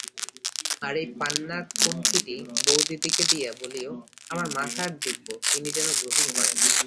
আর এই পান্নার কন্ঠীটি বউদিদিকে দিয়া বলিয়ো, আমার মাথার দিব্য, তিনি যেন গ্রহণ করেন।